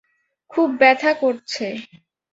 খুব ব্যাথা করছে!